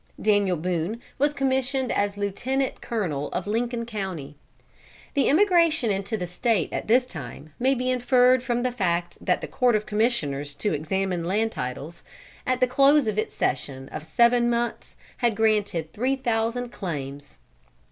Daniel Boone was commissioned as Lieutenant Colonel of Lincoln County. The emigration into the State at this time may be inferred from the fact that the Court of Commissioners to examine land titles, at the close of its session of seven months had granted three thousand claims.